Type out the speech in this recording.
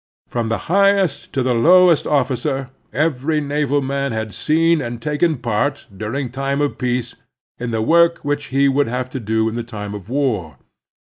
From the highest to the lowest officer, every naval man had seen and taken part, during time of peace, in the work which he would have to do in time of war.